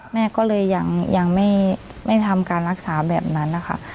แม่ก็เลยยังไม่ทำการรักษาแบบนั้นนะคะ